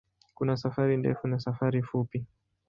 Kuna safari ndefu na safari fupi.